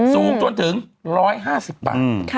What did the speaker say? สูงจนถึง๑๕๐บาท